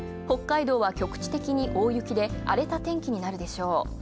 北海道は局地的に大雪で荒れた天気になるでしょう。